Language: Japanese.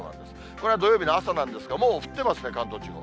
これは土曜日の朝なんですが、もう降ってますね、関東地方。